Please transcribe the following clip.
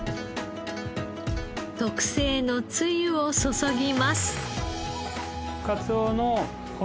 特製のつゆを注ぎます。